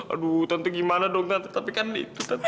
aduh tante gimana dong tapi kan itu tante